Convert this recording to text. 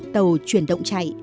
tàu chuyển động chạy